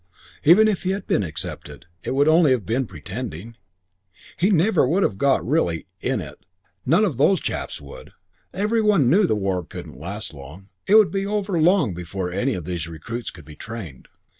Even if he had been accepted it would only have been pretending. He never would have got really "in it"; none of those chaps would; every one knew the war couldn't last long; it would be over long before any of these recruits could be trained.